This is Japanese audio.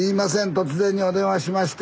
突然にお電話しまして。